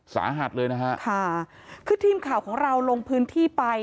สาหัสเลยนะฮะค่ะคือทีมข่าวของเราลงพื้นที่ไป